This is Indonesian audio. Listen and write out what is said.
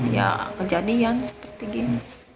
ya kejadian seperti gini